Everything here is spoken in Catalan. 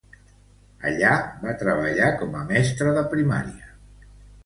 Allà, va treballar com a mestra de primària.